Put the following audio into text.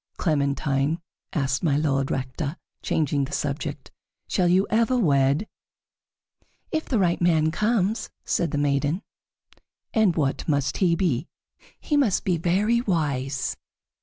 "Clementine," asked My Lord Rector, changing the subject, "shall you ever wed?" "If the right man comes," said the maiden. "And what must he be?" "He must be very wise."